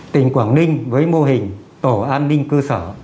tỉnh quảng ninh với mô hình tổ an ninh cơ sở